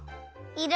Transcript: いる？